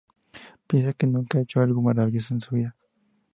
Piensa que nunca ha hecho algo maravilloso en su vida".